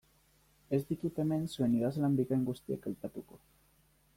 Ez ditut hemen zuen idazlan bikain guztiak aipatuko.